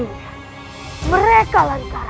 ya mereka tentu